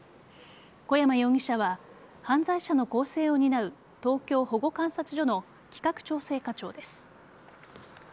小山容疑者は犯罪者の更生を担う東京保護観察所の企画調整課長です。